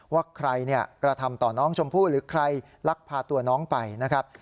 ว่าใครกระทำต่อน้องชมพู่หรือใครลักพาตัวน้องไปนะครับ